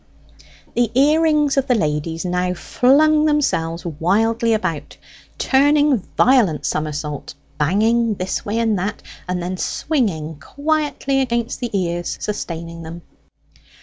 The ear rings of the ladies now flung themselves wildly about, turning violent summersaults, banging this way and that, and then swinging quietly against the ears sustaining them.